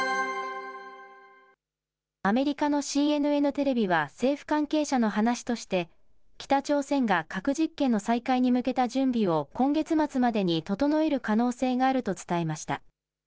アメリカのＣＮＮテレビは、政府関係者の話として、北朝鮮が核実験の再開に向けた準備を今月末までに整える可能性があると伝えました。